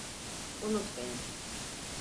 Unut beni.